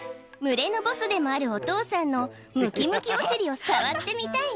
群れのボスでもあるお父さんのムキムキお尻を触ってみたい